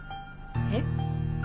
えっ？